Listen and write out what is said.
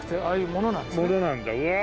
ものなんだうわ。